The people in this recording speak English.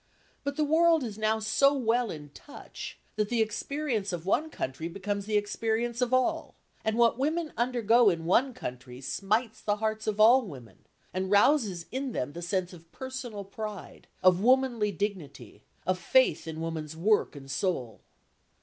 But the world is now so well in touch that the experience of one country becomes the experience of all, and what women undergo in one country smites the hearts of all women and rouses in them the sense of personal pride, of womanly dignity, of faith in woman's work and soul.